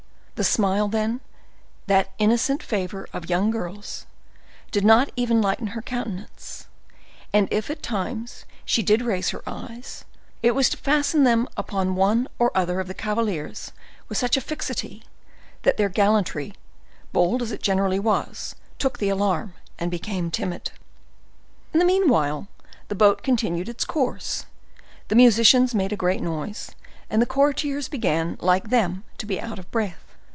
The smile, then,—that innocent favor of young girls,—did not even lighten her countenance; and if, at times, she did raise her eyes, it was to fasten them upon one or other of the cavaliers with such a fixity, that their gallantry, bold as it generally was, took the alarm, and became timid. In the meanwhile the boat continued its course, the musicians made a great noise, and the courtiers began, like them, to be out of breath.